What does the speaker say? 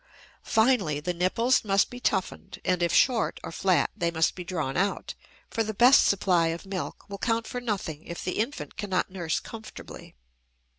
Finally, the nipples must be toughened and, if short or flat, they must be drawn out, for the best supply of milk will count for nothing if the infant cannot nurse comfortably.